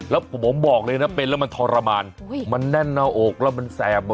แล้วผมบอกเลยนะเป็นแล้วมันทรมานมันแน่นหน้าอกแล้วมันแสบ